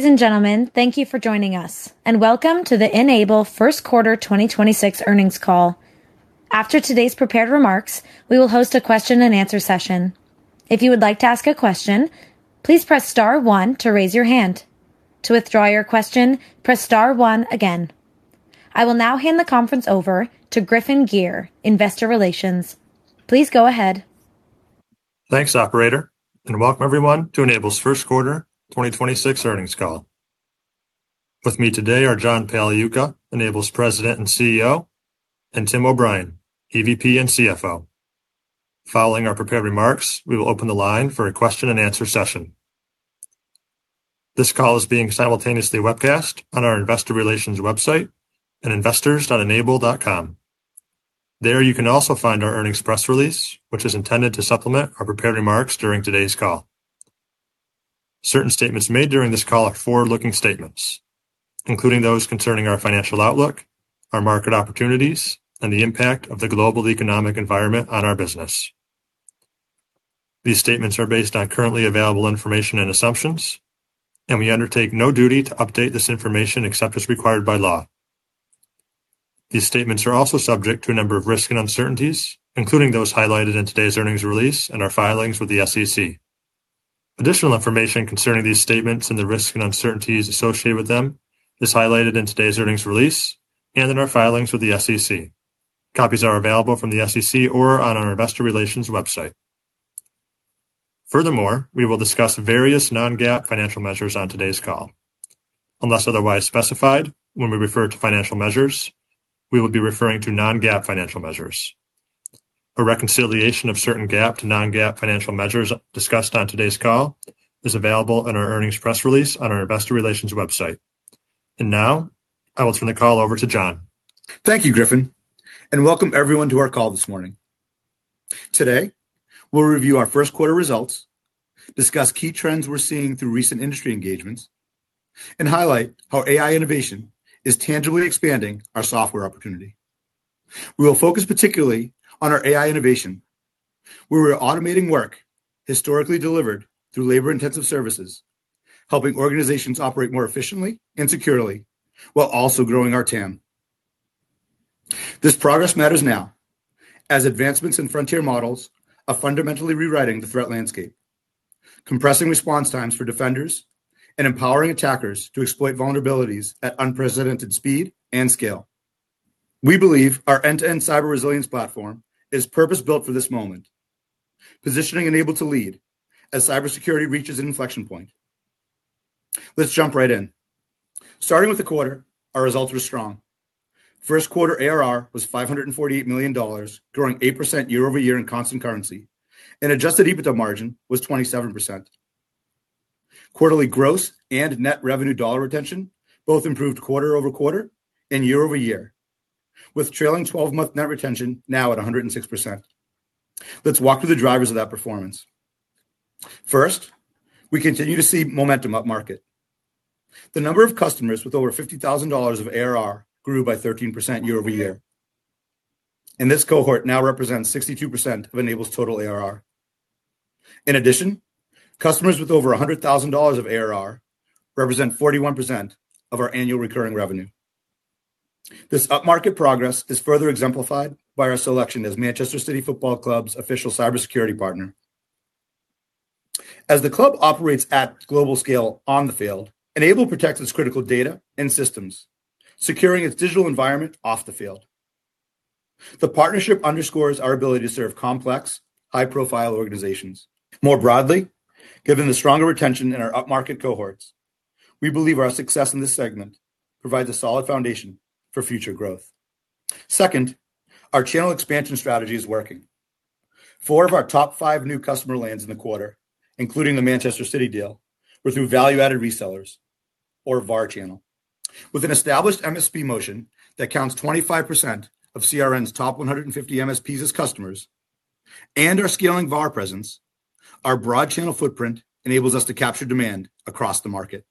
Ladies and gentlemen, thank you for joining us, and welcome to the N-able first quarter 2026 earnings call. After today's prepared remarks, we will host a question and answer session. If you'd like to ask a question please press star one to raise your hand. To withdraw your question press star one again. I will now hand the conference over to Griffin Gyr, Investor Relations. Please go ahead. Thanks, operator, and welcome everyone to N-able's First quarter 2026 earnings call. With me today are John Pagliuca, N-able's President and CEO, and Tim O'Brien, EVP and CFO. Following our prepared remarks, we will open the line for a question-and-answer session. This call is being simultaneously webcast on our investor relations website at investors.n-able.com. There, you can also find our earnings press release, which is intended to supplement our prepared remarks during today's call. Certain statements made during this call are forward-looking statements, including those concerning our financial outlook, our market opportunities, and the impact of the global economic environment on our business. These statements are based on currently available information and assumptions, and we undertake no duty to update this information except as required by law. These statements are also subject to a number of risks and uncertainties, including those highlighted in today's earnings release and our filings with the SEC. Additional information concerning these statements and the risks and uncertainties associated with them is highlighted in today's earnings release and in our filings with the SEC. Copies are available from the SEC or on our investor relations website. Furthermore, we will discuss various non-GAAP financial measures on today's call. Unless otherwise specified, when we refer to financial measures, we will be referring to non-GAAP financial measures. A reconciliation of certain GAAP to non-GAAP financial measures discussed on today's call is available in our earnings press release on our investor relations website. Now, I will turn the call over to John. Thank you, Griffin, and welcome everyone to our call this morning. Today, we'll review our first quarter results, discuss key trends we're seeing through recent industry engagements, and highlight how AI innovation is tangibly expanding our software opportunity. We will focus particularly on our AI innovation, where we're automating work historically delivered through labor-intensive services, helping organizations operate more efficiently and securely while also growing our TAM. This progress matters now as advancements in frontier models are fundamentally rewriting the threat landscape, compressing response times for defenders and empowering attackers to exploit vulnerabilities at unprecedented speed and scale. We believe our end-to-end cyber resilience platform is purpose-built for this moment, positioning N-able to lead as cybersecurity reaches an inflection point. Let's jump right in. Starting with the quarter, our results were strong. First quarter ARR was $548 million, growing 8% year-over-year in constant currency, and adjusted EBITDA margin was 27%. Quarterly gross and net revenue dollar retention both improved quarter-over-quarter and year-over-year, with trailing 12-month net retention now at 106%. Let's walk through the drivers of that performance. First, we continue to see momentum up market. The number of customers with over $50,000 of ARR grew by 13% year-over-year, and this cohort now represents 62% of N-able's total ARR. In addition, customers with over $100,000 of ARR represent 41% of our annual recurring revenue. This up-market progress is further exemplified by our selection as Manchester City Football Club's official cybersecurity partner. As the club operates at global scale on the field, N-able protects its critical data and systems, securing its digital environment off the field. The partnership underscores our ability to serve complex, high-profile organizations. Given the stronger retention in our up-market cohorts, we believe our success in this segment provides a solid foundation for future growth. Second, our channel expansion strategy is working. Four of our top five new customer lands in the quarter, including the Manchester City deal, were through value-added resellers or VAR channel. With an established MSP motion that counts 25% of CRN's top 150 MSPs as customers and our scaling VAR presence, our broad channel footprint enables us to capture demand across the market.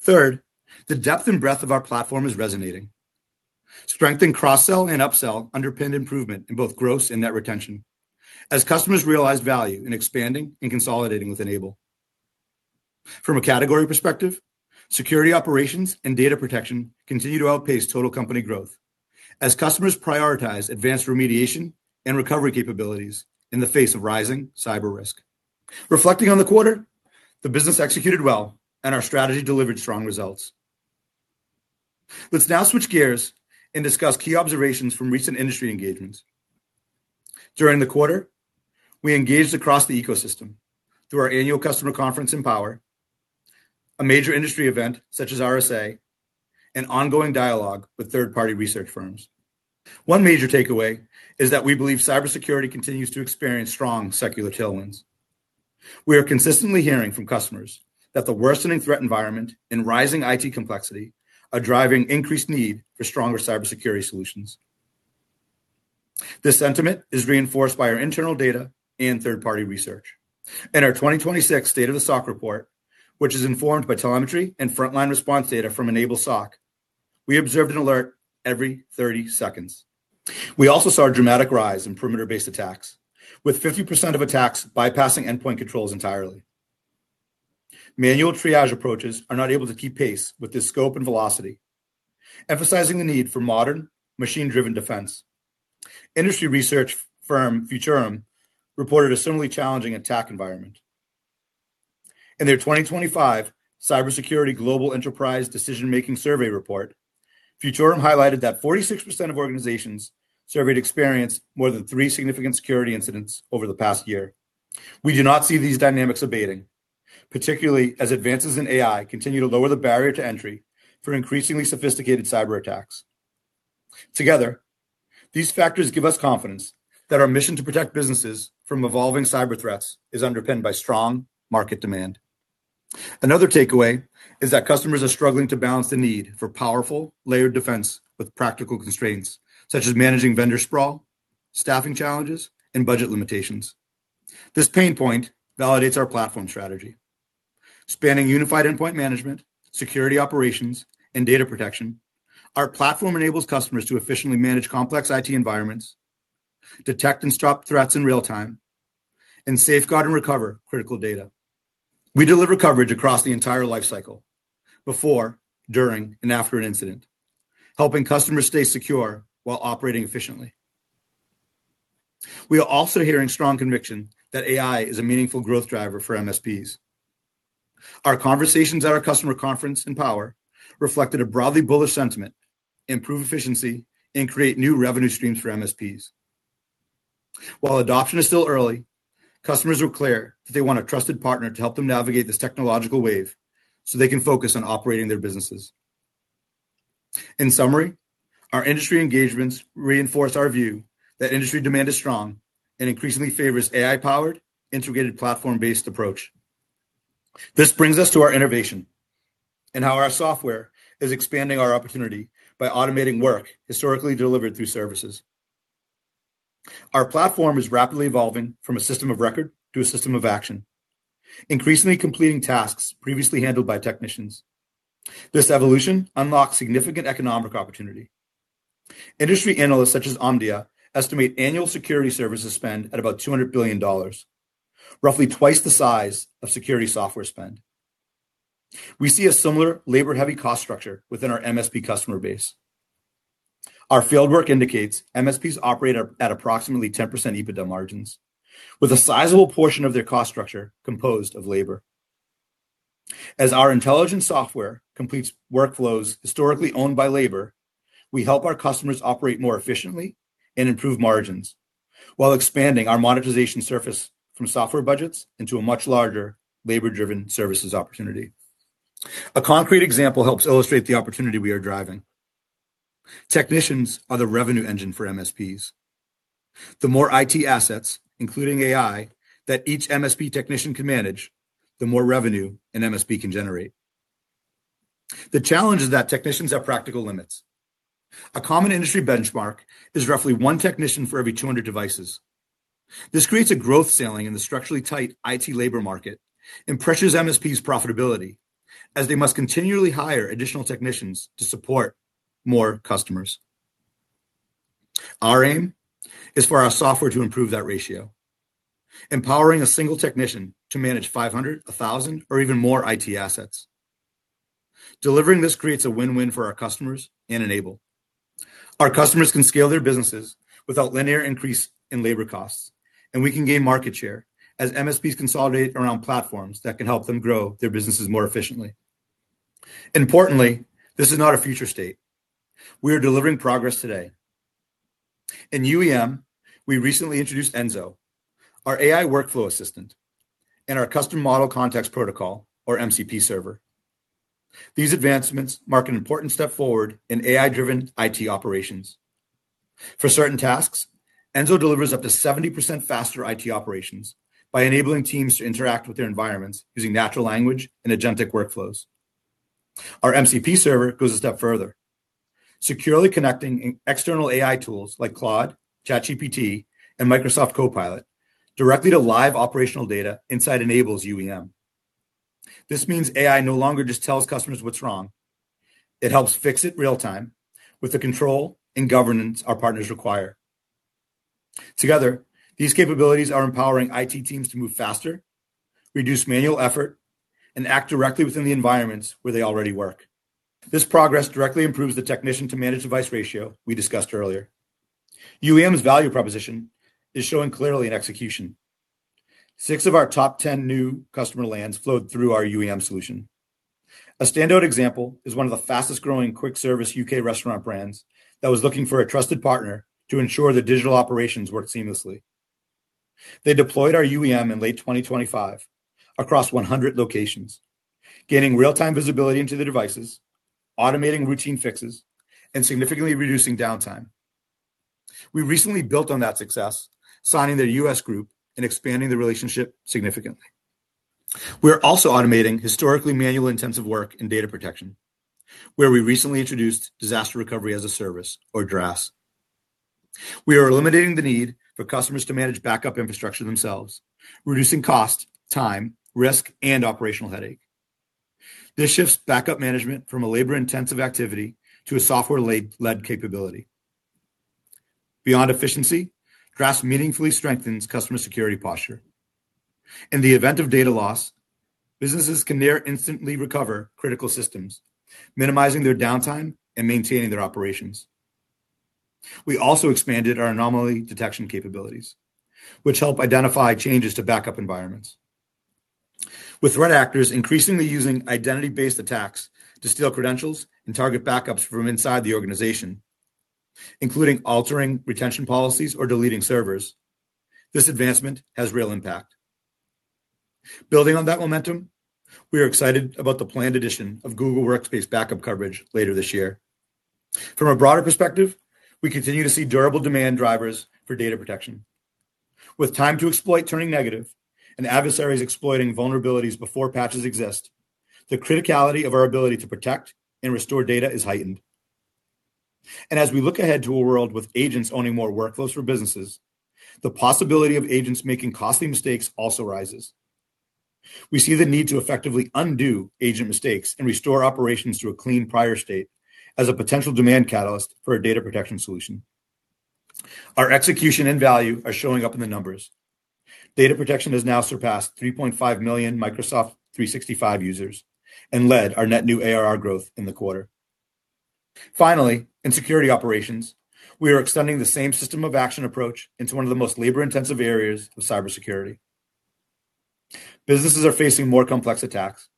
Third, the depth and breadth of our platform is resonating. Strengthen cross-sell and up-sell underpinned improvement in both gross and net retention as customers realize value in expanding and consolidating with N-able. From a category perspective, security operations and data protection continue to outpace total company growth as customers prioritize advanced remediation and recovery capabilities in the face of rising cyber risk. Reflecting on the quarter, the business executed well, and our strategy delivered strong results. Let's now switch gears and discuss key observations from recent industry engagements. During the quarter, we engaged across the ecosystem through our annual customer conference Empower, a major industry event such as RSA, and ongoing dialogue with third-party research firms. One major takeaway is that we believe cybersecurity continues to experience strong secular tailwinds. We are consistently hearing from customers that the worsening threat environment and rising IT complexity are driving increased need for stronger cybersecurity solutions. This sentiment is reinforced by our internal data and third-party research. In our 2026 State of the SOC report, which is informed by telemetry and frontline response data from N-able SOC. We observed an alert every 30 seconds. We also saw a dramatic rise in perimeter-based attacks, with 50% of attacks bypassing endpoint controls entirely. Manual triage approaches are not able to keep pace with this scope and velocity, emphasizing the need for modern, machine-driven defense. Industry research firm Futurum reported a similarly challenging attack environment. In their 2025 Cybersecurity Global Enterprise Decision-Making Survey report, Futurum highlighted that 46% of organizations surveyed experienced more than three significant security incidents over the past year. We do not see these dynamics abating, particularly as advances in AI continue to lower the barrier to entry for increasingly sophisticated cyber attacks. Together, these factors give us confidence that our mission to protect businesses from evolving cyber threats is underpinned by strong market demand. Another takeaway is that customers are struggling to balance the need for powerful, layered defense with practical constraints, such as managing vendor sprawl, staffing challenges, and budget limitations. This pain point validates our platform strategy. Spanning Unified Endpoint Management, security operations, and data protection, our platform enables customers to efficiently manage complex IT environments, detect and stop threats in real time, and safeguard and recover critical data. We deliver coverage across the entire life cycle, before, during, and after an incident, helping customers stay secure while operating efficiently. We are also hearing strong conviction that AI is a meaningful growth driver for MSPs. Our conversations at our customer conference Empower reflected a broadly bullish sentiment, improve efficiency, and create new revenue streams for MSPs. While adoption is still early, customers were clear that they want a trusted partner to help them navigate this technological wave so they can focus on operating their businesses. In summary, our industry engagements reinforce our view that industry demand is strong and increasingly favors AI-powered, integrated, platform-based approach. This brings us to our innovation and how our software is expanding our opportunity by automating work historically delivered through services. Our platform is rapidly evolving from a system of record to a system of action, increasingly completing tasks previously handled by technicians. This evolution unlocks significant economic opportunity. Industry analysts such as Omdia estimate annual security services spend at about $200 billion, roughly twice the size of security software spend. We see a similar labor-heavy cost structure within our MSP customer base. Our field work indicates MSPs operate at approximately 10% EBITDA margins, with a sizable portion of their cost structure composed of labor. As our intelligent software completes workflows historically owned by labor, we help our customers operate more efficiently and improve margins while expanding our monetization surface from software budgets into a much larger labor-driven services opportunity. A concrete example helps illustrate the opportunity we are driving. Technicians are the revenue engine for MSPs. The more IT assets, including AI, that each MSP technician can manage, the more revenue an MSP can generate. The challenge is that technicians have practical limits. A common industry benchmark is roughly one technician for every 200 devices. This creates a growth ceiling in the structurally tight IT labor market and pressures MSPs' profitability as they must continually hire additional technicians to support more customers. Our aim is for our software to improve that ratio, empowering a single technician to manage 500, 1,000, or even more IT assets. Delivering this creates a win-win for our customers and N-able. Our customers can scale their businesses without linear increase in labor costs. We can gain market share as MSPs consolidate around platforms that can help them grow their businesses more efficiently. Importantly, this is not a future state. We are delivering progress today. In UEM, we recently introduced N-zo, our AI workflow assistant, and our custom model context protocol, or MCP server. These advancements mark an important step forward in AI-driven IT operations. For certain tasks, N-zo delivers up to 70% faster IT operations by enabling teams to interact with their environments using natural language and agentic workflows. Our MCP server goes a step further, securely connecting external AI tools like Claude, ChatGPT, and Microsoft Copilot directly to live operational data inside N-able's UEM. This means AI no longer just tells customers what's wrong. It helps fix it real time with the control and governance our partners require. Together, these capabilities are empowering IT teams to move faster, reduce manual effort, and act directly within the environments where they already work. This progress directly improves the technician-to-manage device ratio we discussed earlier. UEM's value proposition is showing clearly in execution. Six of our top 10 new customer lands flowed through our UEM solution. A standout example is one of the fastest-growing quick-service U.K. restaurant brands that was looking for a trusted partner to ensure their digital operations worked seamlessly. They deployed our UEM in late 2025 across 100 locations, gaining real-time visibility into their devices, automating routine fixes, and significantly reducing downtime. We recently built on that success, signing their U.S. group and expanding the relationship significantly. We are also automating historically manual intensive work in data protection, where we recently introduced Disaster Recovery as a Service, or DRaaS. We are eliminating the need for customers to manage backup infrastructure themselves, reducing cost, time, risk, and operational headache. This shifts backup management from a labor-intensive activity to a software-led capability. Beyond efficiency, DRaaS meaningfully strengthens customer security posture. In the event of data loss, businesses can near instantly recover critical systems, minimizing their downtime and maintaining their operations. We also expanded our anomaly detection capabilities, which help identify changes to backup environments. With threat actors increasingly using identity-based attacks to steal credentials and target backups from inside the organization, including altering retention policies or deleting servers, this advancement has real impact. Building on that momentum, we are excited about the planned addition of Google Workspace backup coverage later this year. From a broader perspective, we continue to see durable demand drivers for data protection. With time to exploit turning negative and adversaries exploiting vulnerabilities before patches exist, the criticality of our ability to protect and restore data is heightened. As we look ahead to a world with agents owning more workflows for businesses, the possibility of agents making costly mistakes also rises. We see the need to effectively undo agent mistakes and restore operations to a clean prior state as a potential demand catalyst for a data protection solution. Our execution and value are showing up in the numbers. Data protection has now surpassed 3.5 million Microsoft 365 users and led our net new ARR growth in the quarter. In security operations, we are extending the same system of action approach into one of the most labor-intensive areas of cybersecurity. Businesses are facing more complex attacks,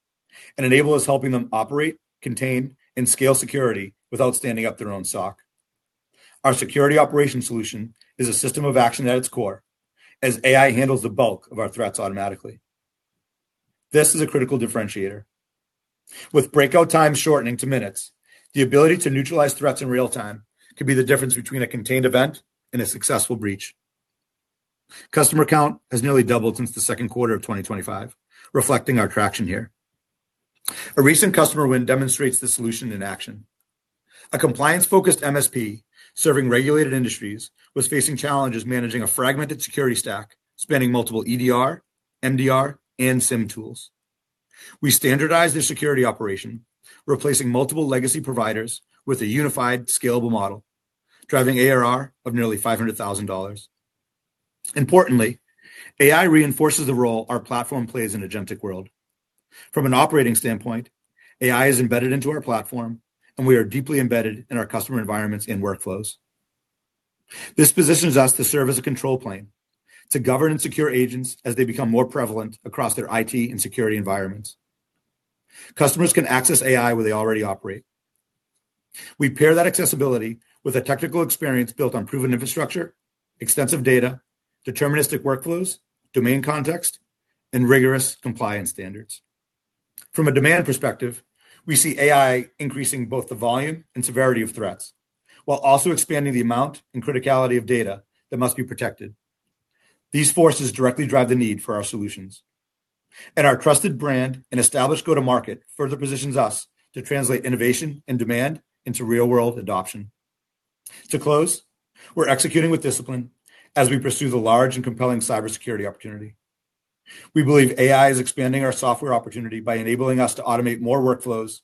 and N-able is helping them operate, contain, and scale security without standing up their own SOC. Our security operation solution is a system of action at its core as AI handles the bulk of our threats automatically. This is a critical differentiator. With breakout time shortening to minutes, the ability to neutralize threats in real time could be the difference between a contained event and a successful breach. Customer count has nearly doubled since the second quarter of 2025, reflecting our traction here. A recent customer win demonstrates the solution in action. A compliance-focused MSP serving regulated industries was facing challenges managing a fragmented security stack, spanning multiple EDR, MDR, and SIEM tools. We standardized their security operation, replacing multiple legacy providers with a unified, scalable model, driving ARR of nearly $500,000. Importantly, AI reinforces the role our platform plays in agentic world. From an operating standpoint, AI is embedded into our platform, and we are deeply embedded in our customer environments and workflows. This positions us to serve as a control plane to govern and secure agents as they become more prevalent across their IT and security environments. Customers can access AI where they already operate. We pair that accessibility with a technical experience built on proven infrastructure, extensive data, deterministic workflows, domain context, and rigorous compliance standards. From a demand perspective, we see AI increasing both the volume and severity of threats while also expanding the amount and criticality of data that must be protected. These forces directly drive the need for our solutions. Our trusted brand and established go-to-market further positions us to translate innovation and demand into real-world adoption. To close, we're executing with discipline as we pursue the large and compelling cybersecurity opportunity. We believe AI is expanding our software opportunity by enabling us to automate more workflows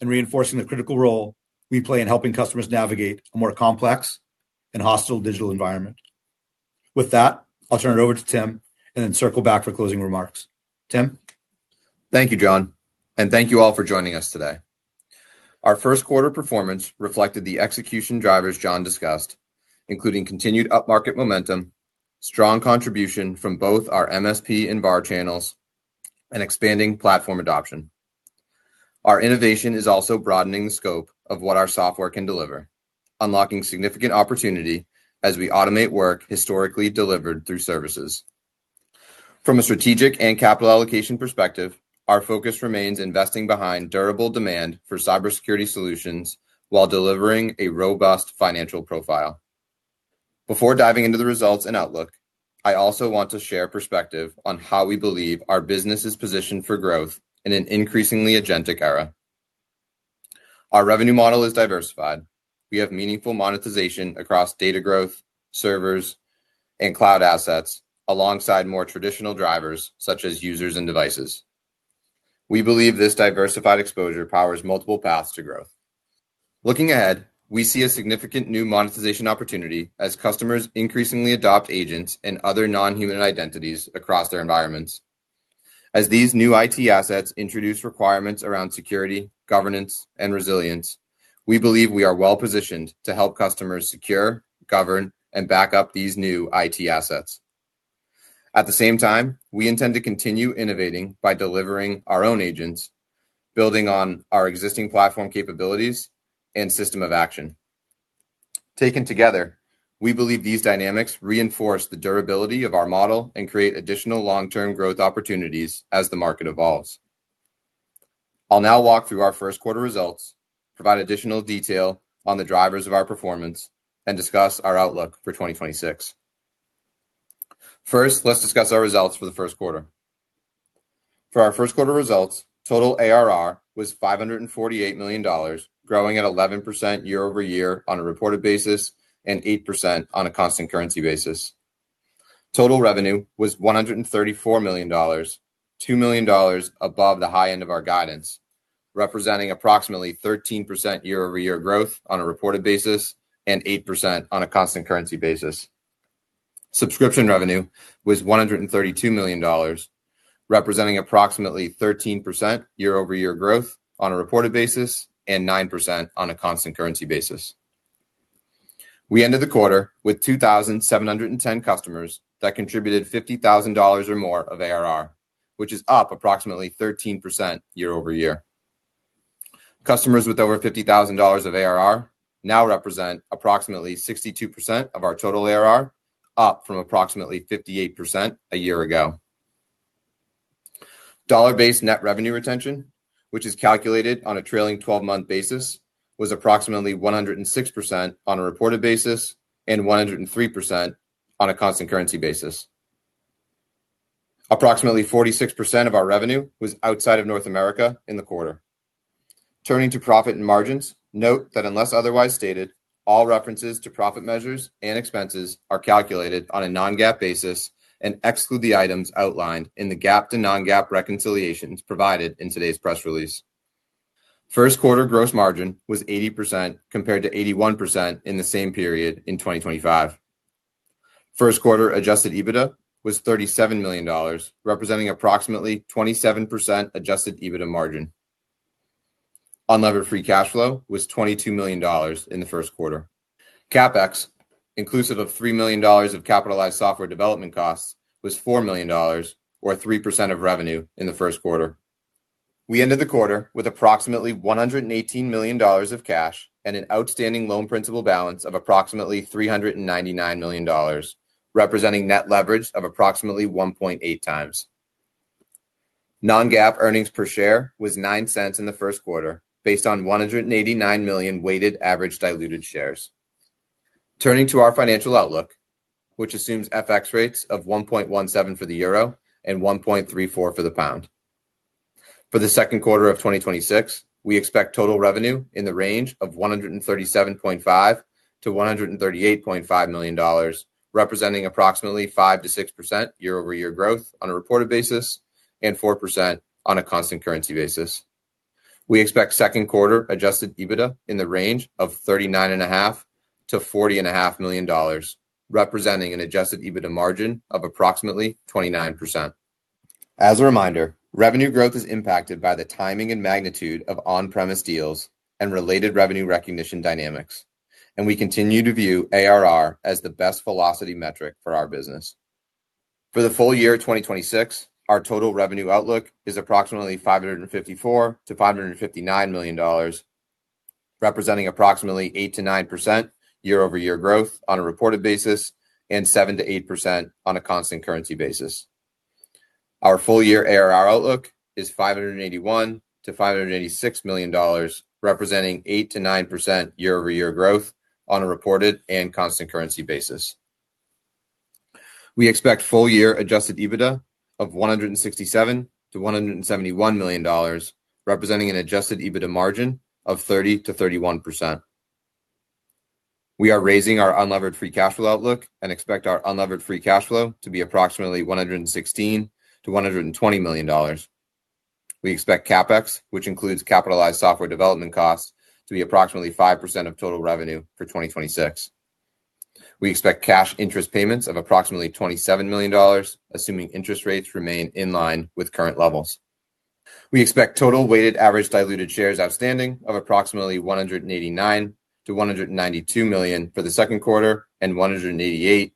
and reinforcing the critical role we play in helping customers navigate a more complex and hostile digital environment. With that, I'll turn it over to Tim and then circle back for closing remarks. Tim? Thank you, John, and thank you all for joining us today. Our first quarter performance reflected the execution drivers John discussed, including continued upmarket momentum, strong contribution from both our MSP and VAR channels, and expanding platform adoption. Our innovation is also broadening the scope of what our software can deliver, unlocking significant opportunity as we automate work historically delivered through services. From a strategic and capital allocation perspective, our focus remains investing behind durable demand for cybersecurity solutions while delivering a robust financial profile. Before diving into the results and outlook, I also want to share perspective on how we believe our business is positioned for growth in an increasingly agentic era. Our revenue model is diversified. We have meaningful monetization across data growth, servers, and cloud assets, alongside more traditional drivers such as users and devices. We believe this diversified exposure powers multiple paths to growth. Looking ahead, we see a significant new monetization opportunity as customers increasingly adopt agents and other non-human identities across their environments. As these new IT assets introduce requirements around security, governance, and resilience, we believe we are well-positioned to help customers secure, govern, and back up these new IT assets. At the same time, we intend to continue innovating by delivering our own agents, building on our existing platform capabilities and system of action. Taken together, we believe these dynamics reinforce the durability of our model and create additional long-term growth opportunities as the market evolves. I'll now walk through our first quarter results, provide additional detail on the drivers of our performance, and discuss our outlook for 2026. First, let's discuss our results for the first quarter. For our first quarter results, total ARR was $548 million, growing at 11% year-over-year on a reported basis, and 8% on a constant currency basis. Total revenue was $134 million, $2 million above the high end of our guidance, representing approximately 13% year-over-year growth on a reported basis, and 8% on a constant currency basis. Subscription revenue was $132 million, representing approximately 13% year-over-year growth on a reported basis, and 9% on a constant currency basis. We ended the quarter with 2,710 customers that contributed $50,000 or more of ARR, which is up approximately 13% year-over-year. Customers with over $50,000 of ARR now represent approximately 62% of our total ARR, up from approximately 58% a year ago. Dollar-based net revenue retention, which is calculated on a trailing twelve-month basis, was approximately 106% on a reported basis and 103% on a constant currency basis. Approximately 46% of our revenue was outside of North America in the quarter. Turning to profit and margins, note that unless otherwise stated, all references to profit measures and expenses are calculated on a non-GAAP basis and exclude the items outlined in the GAAP to non-GAAP reconciliations provided in today's press release. First quarter gross margin was 80% compared to 81% in the same period in 2025. First quarter adjusted EBITDA was $37 million, representing approximately 27% adjusted EBITDA margin. Unlevered free cash flow was $22 million in the first quarter. CapEx, inclusive of $3 million of capitalized software development costs, was $4 million or 3% of revenue in the first quarter. We ended the quarter with approximately $118 million of cash and an outstanding loan principal balance of approximately $399 million, representing net leverage of approximately 1.8 times. Non-GAAP earnings per share was $0.09 in the first quarter based on 189 million weighted average diluted shares. Turning to our financial outlook, which assumes FX rates of 1.17 for the euro and 1.34 for the pound. For the second quarter of 2026, we expect total revenue in the range of $137.5 million-$138.5 million, representing approximately 5%-6% year-over-year growth on a reported basis, and 4% on a constant currency basis. We expect second quarter adjusted EBITDA in the range of $39.5 million-$40.5 million, representing an adjusted EBITDA margin of approximately 29%. As a reminder, revenue growth is impacted by the timing and magnitude of on-premise deals and related revenue recognition dynamics, and we continue to view ARR as the best velocity metric for our business. For the full year 2026, our total revenue outlook is approximately $554 million-$559 million, representing approximately 8%-9% year-over-year growth on a reported basis, and 7%-8% on a constant currency basis. Our full year ARR outlook is $581 million-$586 million, representing 8%-9% year-over-year growth on a reported and constant currency basis. We expect full-year adjusted EBITDA of $167 million-$171 million, representing an adjusted EBITDA margin of 30%-31%. We are raising our unlevered free cash flow outlook and expect our unlevered free cash flow to be approximately $116 million-$120 million. We expect CapEx, which includes capitalized software development costs, to be approximately 5% of total revenue for 2026. We expect cash interest payments of approximately $27 million, assuming interest rates remain in line with current levels. We expect total weighted average diluted shares outstanding of approximately 189 million-192 million for the second quarter and 188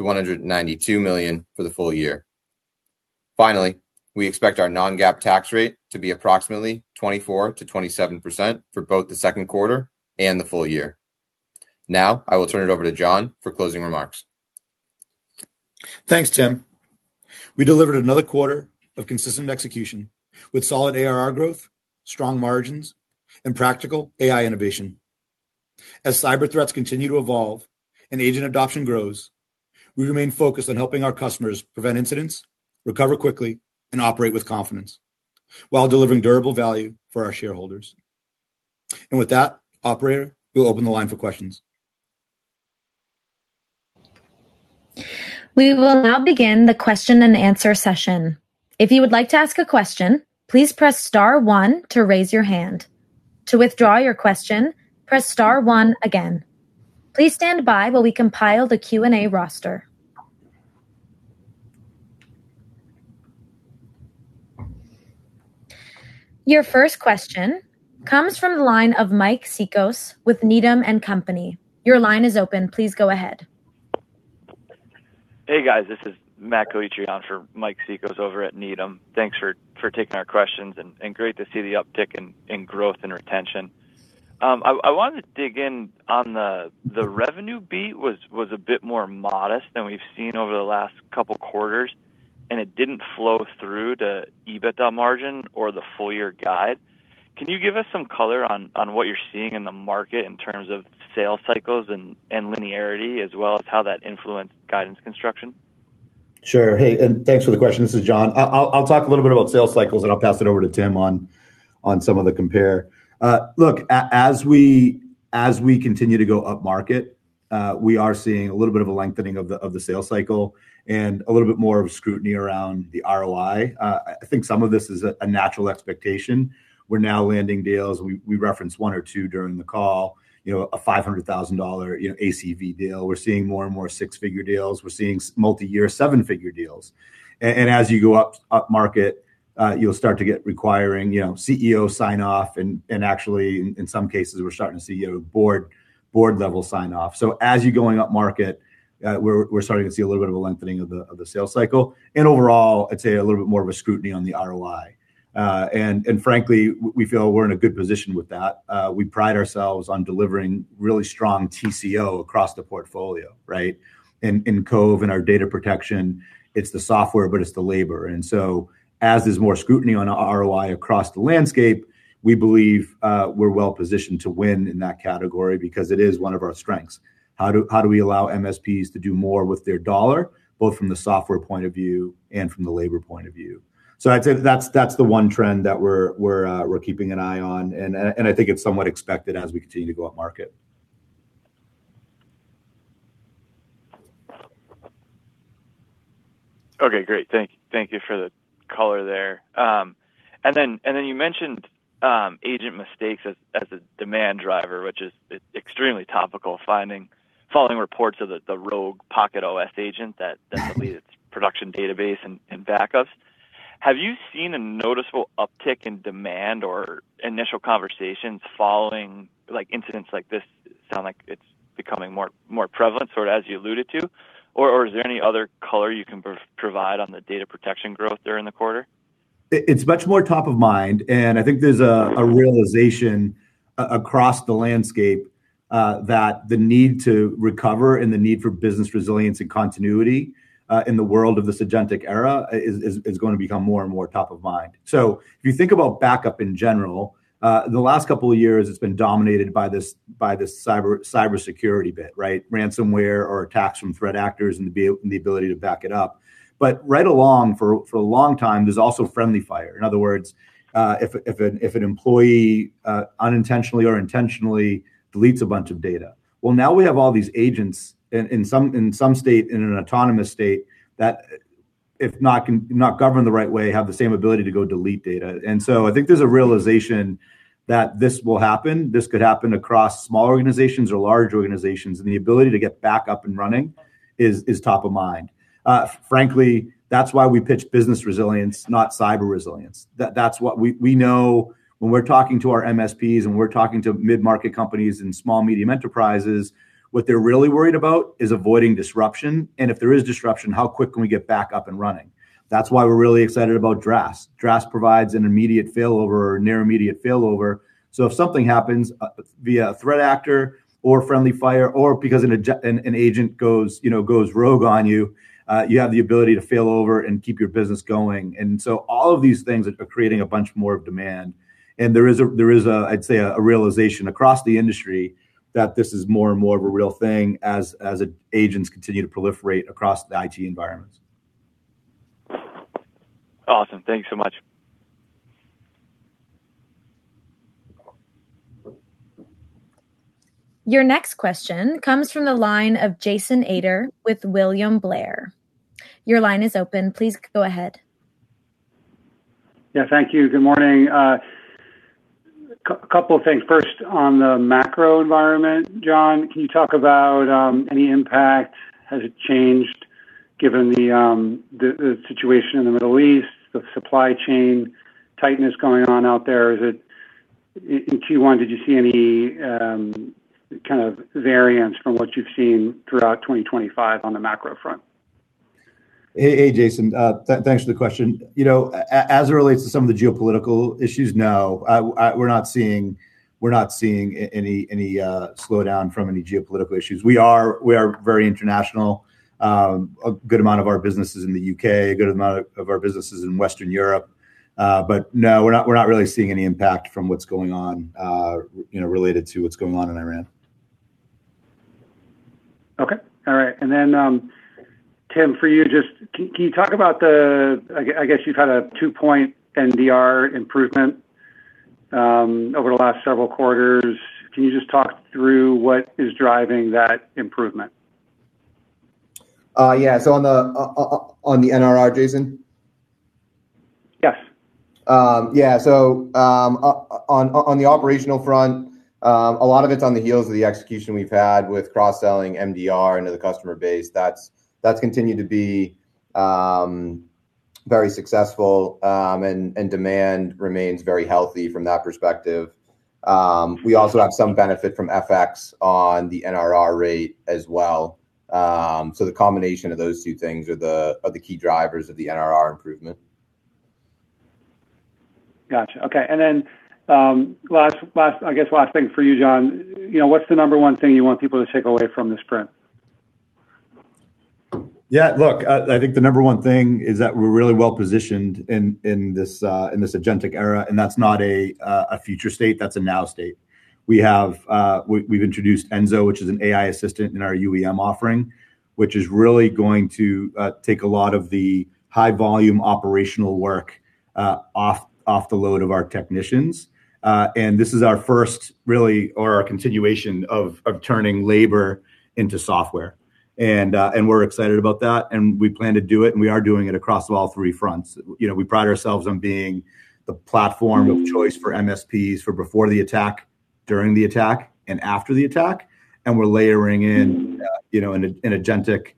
million-192 million for the full year. Finally, we expect our non-GAAP tax rate to be approximately 24%-27% for both the second quarter and the full year. Now, I will turn it over to John for closing remarks. Thanks, Tim. We delivered another quarter of consistent execution with solid ARR growth, strong margins, and practical AI innovation. As cyber threats continue to evolve and agent adoption grows, we remain focused on helping our customers prevent incidents, recover quickly, and operate with confidence while delivering durable value for our shareholders. With that, operator, we'll open the line for questions. We will now begin the question and answer session. If you would like to ask a question, please press star one to raise your hand. To withdraw your question, press star one again. Please stand by while we compile the Q&A roster. Your first question comes from the line of Mike Cikos with Needham & Company. Your line is open. Please go ahead. Hey, guys. This is Matthew Calitri for Mike Cikos over at Needham. Thanks for taking our questions and great to see the uptick in growth and retention. I wanted to dig in on the revenue beat was a bit more modest than we've seen over the last couple quarters. It didn't flow through the EBITDA margin or the full-year guide. Can you give us some color on what you're seeing in the market in terms of sales cycles and linearity as well as how that influenced guidance construction? Sure. Hey, and thanks for the question. This is John. I'll talk a little bit about sales cycles, and I'll pass it over to Tim on some of the compare. Look, as we continue to go up market, we are seeing a little bit of a lengthening of the sales cycle and a little bit more of scrutiny around the ROI. I think some of this is a natural expectation. We're now landing deals, we referenced one or two during the call, you know, a $500,000, you know, ACV deal. We're seeing more and more six-figure deals. We're seeing multi-year seven-figure deals. As you go up market, you'll start to get requiring, you know, CEO sign-off and actually in some cases we're starting to see a board level sign-off. As you're going up market, we're starting to see a little bit of a lengthening of the sales cycle, and overall, I'd say a little bit more of a scrutiny on the ROI. Frankly, we feel we're in a good position with that. We pride ourselves on delivering really strong TCO across the portfolio, right? In Cove, in our data protection, it's the software, but it's the labor. As there's more scrutiny on our ROI across the landscape, we believe, we're well-positioned to win in that category because it is one of our strengths. How do we allow MSPs to do more with their dollar, both from the software point of view and from the labor point of view? I'd say that's the one trend that we're keeping an eye on, and I think it's somewhat expected as we continue to go up market. Okay, great. Thank you for the color there. Then you mentioned agent mistakes as a demand driver, which is extremely topical. Following reports of the rogue PocketOS agent. Right. That deleted production database and backups. Have you seen a noticeable uptick in demand or initial conversations following, like, incidents like this sound like it's becoming more prevalent, sort of as you alluded to? Is there any other color you can provide on the data protection growth during the quarter? It's much more top of mind, and I think there's a realization across the landscape that the need to recover and the need for business resilience and continuity in the world of this agentic era is gonna become more and more top of mind. If you think about backup in general, the last couple of years it's been dominated by this cybersecurity bit, right? Ransomware or attacks from threat actors and the ability to back it up. Right along for a long time, there's also friendly fire. In other words, if an employee unintentionally or intentionally deletes a bunch of data. Well, now we have all these agents in some state, in an autonomous state that if not governed the right way, have the same ability to go delete data. I think there's a realization that this will happen. This could happen across small organizations or large organizations, and the ability to get back up and running is top of mind. Frankly, that's why we pitch business resilience, not cyber resilience. That's what we know when we're talking to our MSPs and we're talking to mid-market companies and small, medium enterprises, what they're really worried about is avoiding disruption, and if there is disruption, how quick can we get back up and running? That's why we're really excited about DRaaS. DRaaS provides an immediate failover or near immediate failover. If something happens, via a threat actor or friendly fire or because an agent goes, you know, goes rogue on you have the ability to fail over and keep your business going. All of these things are creating a bunch more of demand. There is a, I'd say a realization across the industry that this is more and more of a real thing as agents continue to proliferate across the IT environments. Awesome. Thanks so much. Your next question comes from the line of Jason Ader with William Blair. Your line is open. Please go ahead. Yeah, thank you. Good morning. Couple of things. First, on the macro environment, John, can you talk about any impact? Has it changed given the situation in the Middle East, the supply chain tightness going on out there? In Q1, did you see any kind of variance from what you've seen throughout 2025 on the macro front? Hey, Jason. Thanks for the question. You know, as it relates to some of the geopolitical issues, no. We're not seeing any slowdown from any geopolitical issues. We are very international. A good amount of our business is in the U.K., a good amount of our business is in Western Europe. No, we're not really seeing any impact from what's going on, you know, related to what's going on in Iran. Okay. All right. Then, Tim, for you, just can you talk about I guess you've had a two-point NRR improvement over the last several quarters. Can you just talk through what is driving that improvement? Yeah, on the NRR, Jason? Yes. Yeah. On the operational front, a lot of it's on the heels of the execution we've had with cross-selling MDR into the customer base. That's continued to be very successful, and demand remains very healthy from that perspective. We also have some benefit from FX on the NRR rate as well. The combination of those two things are the key drivers of the NRR improvement. Gotcha. Okay. Last, I guess last thing for you, John. You know, what's the number one thing you want people to take away from this print? Yeah, look, I think the number one thing is that we're really well-positioned in this agentic era, and that's not a future state, that's a now state. We have, we've introduced N-zo, which is an AI assistant in our UEM offering, which is really going to take a lot of the high volume operational work off the load of our technicians. This is our first really, or our continuation of turning labor into software. We're excited about that, and we plan to do it, and we are doing it across all three fronts. You know, we pride ourselves on being the platform of choice for MSPs for before the attack, during the attack, and after the attack, and we're layering in, you know, an agentic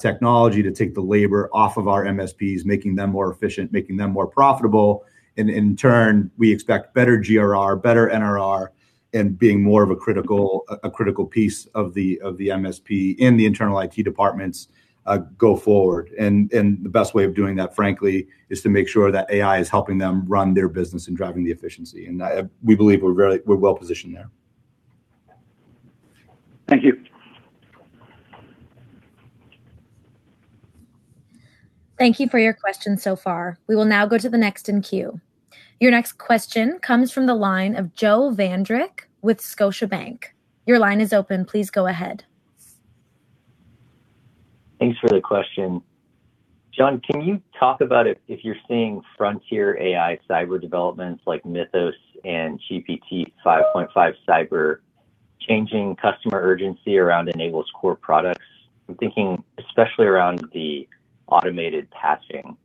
technology to take the labor off of our MSPs, making them more efficient, making them more profitable. In turn, we expect better GRR, better NRR, and being more of a critical piece of the MSP and the internal IT departments go forward. The best way of doing that, frankly, is to make sure that AI is helping them run their business and driving the efficiency. We believe we're very well-positioned there. Thank you. Thank you for your questions so far. We will now go to the next in queue. Your next question comes from the line of Joe Vandrick with Scotiabank. Thanks for the question. John, can you talk about if you're seeing frontier AI cyber developments like Mythos and GPT-5.5-Cyber changing customer urgency around N-able's core products? I'm thinking especially around the automated patching,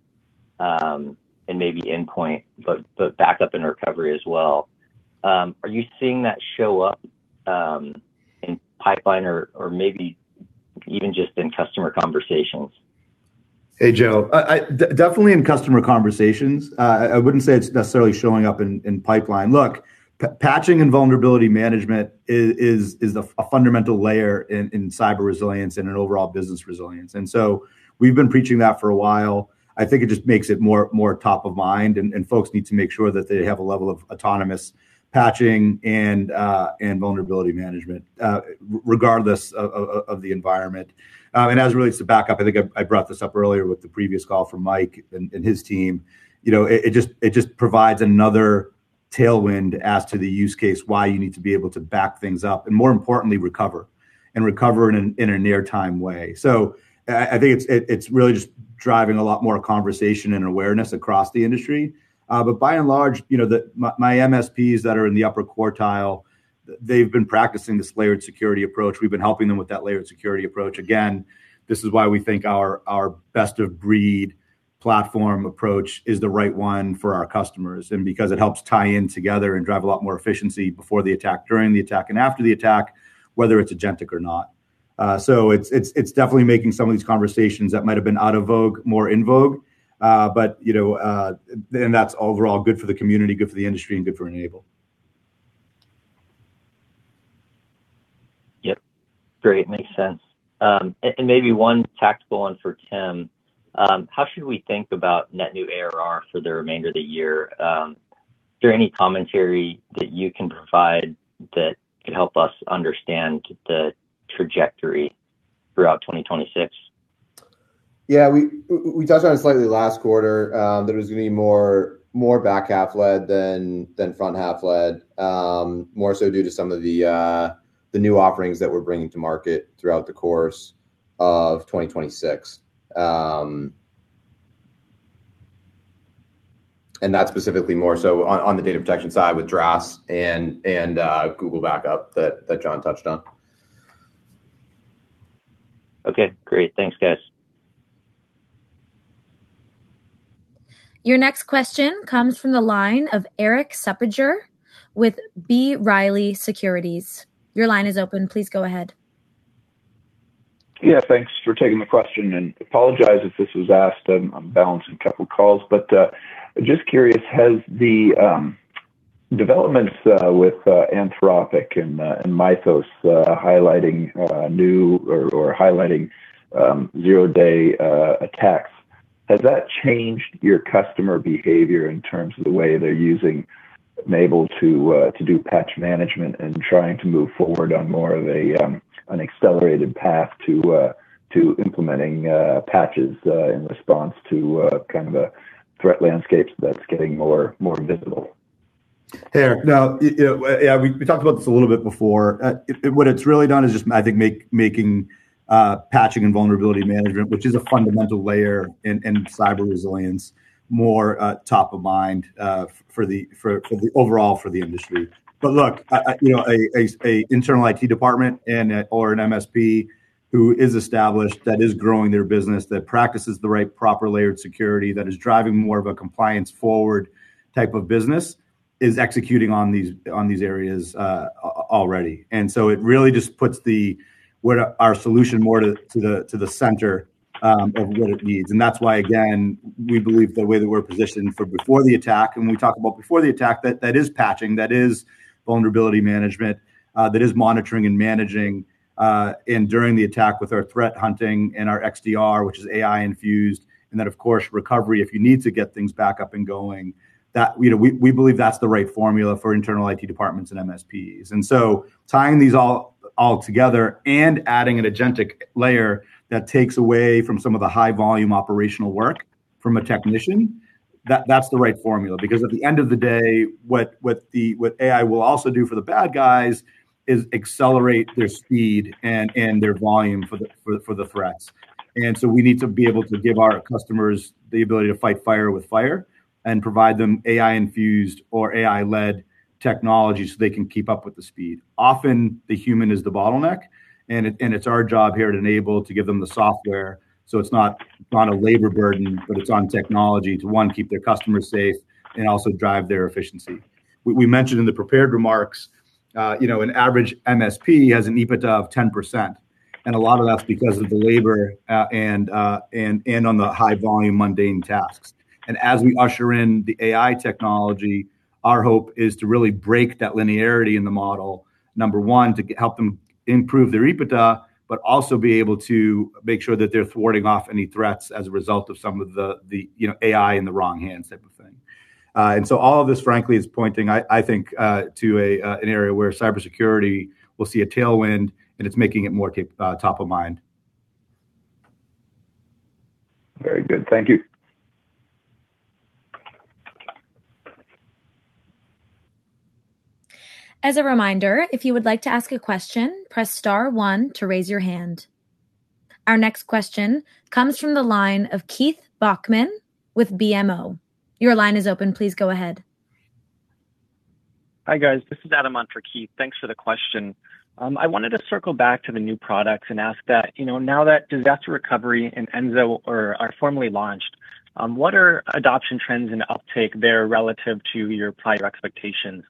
and maybe endpoint, but backup and recovery as well. Are you seeing that show up in pipeline or maybe even just in customer conversations? Hey, Joe. Definitely in customer conversations. I wouldn't say it's necessarily showing up in pipeline. Look, patching and vulnerability management is a fundamental layer in cyber resilience and in overall business resilience. We've been preaching that for a while. I think it just makes it more top of mind, and folks need to make sure that they have a level of autonomous patching and vulnerability management, regardless of the environment. And as it relates to backup, I think I brought this up earlier with the previous call from Mike and his team. You know, it just provides another tailwind as to the use case, why you need to be able to back things up, and more importantly, recover, and recover in a near time way. I think it's really just driving a lot more conversation and awareness across the industry. By and large, you know, the MSPs that are in the upper quartile, they've been practicing this layered security approach. We've been helping them with that layered security approach. Again, this is why we think our best of breed platform approach is the right one for our customers. Because it helps tie in together and drive a lot more efficiency before the attack, during the attack and after the attack, whether it's agentic or not. It's definitely making some of these conversations that might have been out of vogue more in vogue. You know, that's overall good for the community, good for the industry, and good for N-able. Yep. Great. Makes sense. Maybe one tactical one for Tim. How should we think about net new ARR for the remainder of the year? Is there any commentary that you can provide that could help us understand the trajectory throughout 2026? Yeah, we touched on it slightly last quarter. There was going to be more back-half led than front-half led. More so due to some of the new offerings that we're bringing to market throughout the course of 2026. That's specifically more so on the data protection side with DRaaS and Google Backup that John touched on. Okay, great. Thanks, guys. Your next question comes from the line of Erik Suppiger with B. Riley Securities. Your line is open. Please go ahead. Yeah, thanks for taking the question, and apologize if this was asked. I'm balancing a couple calls. Just curious, has the developments with Anthropic and Mythos highlighting new or highlighting zero-day attacks, has that changed your customer behavior in terms of the way they're using N-able to do patch management and trying to move forward on more of an accelerated path to implementing patches in response to kind of a threat landscape that's getting more, more visible? Hey, Erik. Yeah, yeah, we talked about this a little bit before. What it's really done is just, I think making patching and vulnerability management, which is a fundamental layer in cyber resilience, more top of mind for the overall for the industry. Look, you know, a internal IT department and/or an MSP who is established that is growing their business, that practices the right proper layered security, that is driving more of a compliance forward type of business, is executing on these areas already. It really just puts our solution more to the center of what it needs. That's why, again, we believe the way that we're positioned for before the attack, and when we talk about before the attack, that is patching, that is vulnerability management, that is monitoring and managing, and during the attack with our threat hunting and our XDR, which is AI infused, and then of course recovery if you need to get things back up and going. You know, we believe that's the right formula for internal IT departments and MSPs. Tying these all together and adding an agentic layer that takes away from some of the high volume operational work from a technician, that's the right formula. At the end of the day, what AI will also do for the bad guys is accelerate their speed and their volume for the threats. We need to be able to give our customers the ability to fight fire with fire and provide them AI infused or AI led technology so they can keep up with the speed. Often the human is the bottleneck, and it's our job here at N-able to give them the software so it's not on a labor burden, but it's on technology to, one, keep their customers safe and also drive their efficiency. We mentioned in the prepared remarks, you know, an average MSP has an EBITDA of 10%, and a lot of that's because of the labor and on the high volume mundane tasks. As we usher in the AI technology, our hope is to really break that linearity in the model, number one, to help them improve their EBITDA, but also be able to make sure that they're thwarting off any threats as a result of some of the, you know, AI in the wrong hands type of thing. All of this frankly is pointing, I think, to an area where cybersecurity will see a tailwind, and it's making it more top of mind. Very good. Thank you. As a reminder, if you would like to ask a question, press star one to raise your hand. Our next question comes from the line of Keith Bachman with BMO. Your line is open. Please go ahead. Hi, guys. This is Adam on for Keith. Thanks for the question. I wanted to circle back to the new products and ask that, you know, now that Disaster Recovery and N-zo are formally launched, what are adoption trends and uptake there relative to your prior expectations?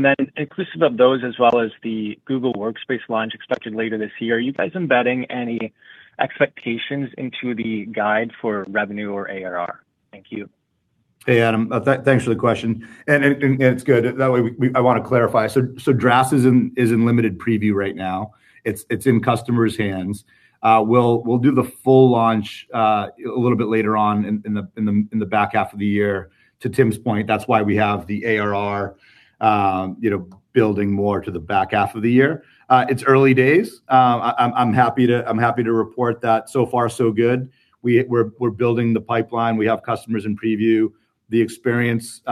Then inclusive of those as well as the Google Workspace launch expected later this year, are you guys embedding any expectations into the guide for revenue or ARR? Thank you. Hey, Adam. Thanks for the question and it's good. That way we, I wanna clarify. DRaaS is in limited preview right now. It's in customers' hands. We'll do the full launch a little bit later on in the back half of the year. To Tim's point, that's why we have the ARR, you know, building more to the back half of the year. It's early days. I'm happy to report that so far so good. We're building the pipeline. We have customers in preview. The experience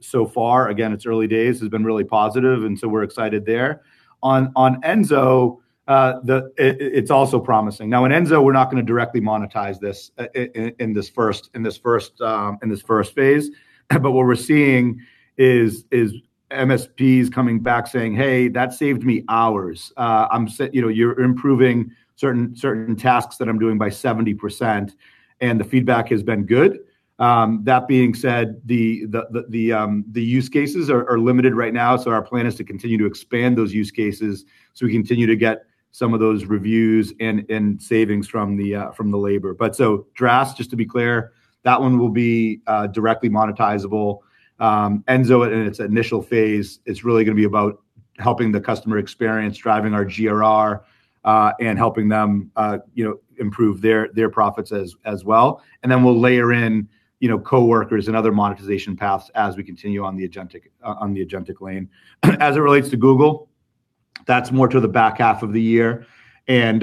so far, again, it's early days, has been really positive. We're excited there. On N-zo, it's also promising. In N-zo, we're not gonna directly monetize this in this first phase. What we're seeing is MSPs coming back saying, "Hey, that saved me hours." You know, "You're improving certain tasks that I'm doing by 70%." The feedback has been good. That being said, the use cases are limited right now, so our plan is to continue to expand those use cases so we continue to get some of those reviews and savings from the labor. DRaaS, just to be clear, that one will be directly monetizable. N-zo in its initial phase is really gonna be about helping the customer experience, driving our GRR, and helping them, you know, improve their profits as well. Then we'll layer in, you know, coworkers and other monetization paths as we continue on the agentic lane. As it relates to Google, that's more to the back half of the year, and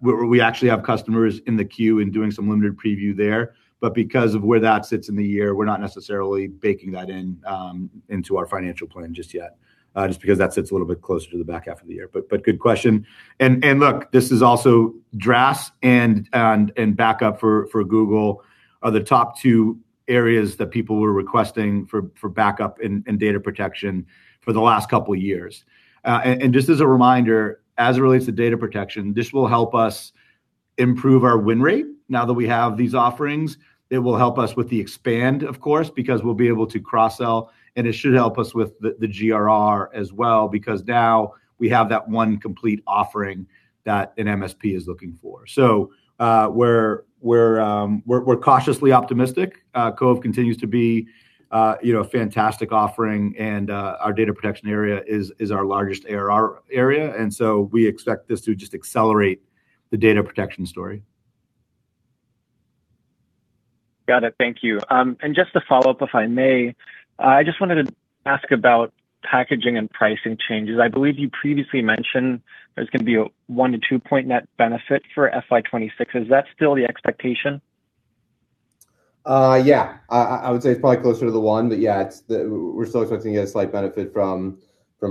we actually have customers in the queue and doing some limited preview there. Because of where that sits in the year, we're not necessarily baking that in into our financial plan just yet, just because that sits a little bit closer to the back half of the year. Good question. Look, this is also DRaaS and backup for Google are the top two areas that people were requesting for backup and data protection for the last couple years. Just as a reminder, as it relates to data protection, this will help us improve our win rate now that we have these offerings. It will help us with the expand, of course, because we'll be able to cross-sell, and it should help us with the GRR as well because now we have that one complete offering that an MSP is looking for. We're cautiously optimistic. Cove continues to be, you know, a fantastic offering and our data protection area is our largest ARR area. We expect this to just accelerate the data protection story. Got it. Thank you. Just to follow up, if I may, I just wanted to ask about packaging and pricing changes. I believe you previously mentioned there's gonna be a one to two point net benefit for FY 2026. Is that still the expectation? Yeah. I would say it's probably closer to the one, but yeah, we're still expecting a slight benefit from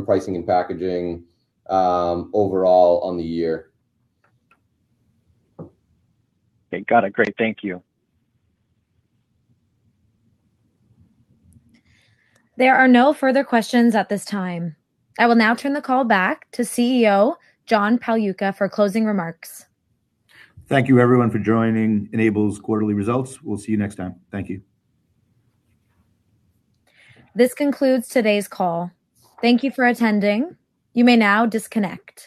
pricing and packaging, overall on the year. Okay. Got it. Great. Thank you. There are no further questions at this time. I will now turn the call back to CEO, John Pagliuca, for closing remarks. Thank you everyone for joining N-able's quarterly results. We'll see you next time. Thank you. This concludes today's call. Thank you for attending. You may now disconnect.